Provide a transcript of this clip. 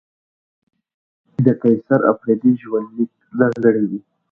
د قیصر اپریدي ژوند لیک ځانګړی دی.